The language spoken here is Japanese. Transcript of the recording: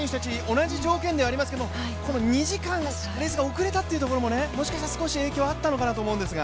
同じ条件ではありますけど２時間遅れたっていうところももしかしたら少し影響があったのかなと思うんですね。